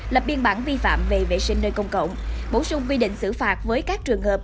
lập biên bản vi phạm về vệ sinh nơi công cộng bổ sung quy định xử phạt với các trường hợp